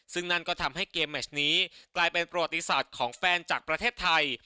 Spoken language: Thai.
ซึ่งนั่นก็ทำให้เกมแมชนี้กลายเป็นประวัติศาสตร์ของแฟนจากประเทศไทย